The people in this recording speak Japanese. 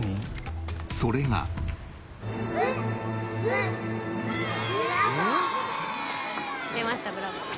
それが。出ましたブラボー。